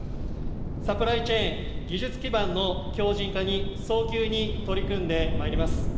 サプライチェーン、技術基盤の強じん化に早急に取り組んでまいります。